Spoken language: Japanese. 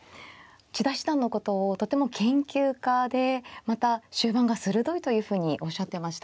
千田七段のことをとても研究家でまた終盤が鋭いというふうにおっしゃってましたね。